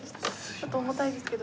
ちょっと重たいですけど。